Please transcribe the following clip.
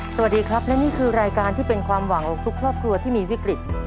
สวัสดีครับและนี่คือรายการที่เป็นความหวังของทุกครอบครัวที่มีวิกฤต